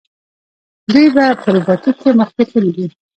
دوی په روباټیک کې مخکې تللي دي.